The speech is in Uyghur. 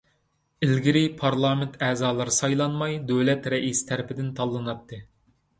ئىلگىرى پارلامېنت ئەزالىرى سايلانماي، دۆلەت رەئىسى تەرەپتىن تاللىناتتى.